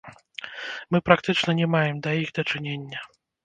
Мы практычна не маем да іх дачынення.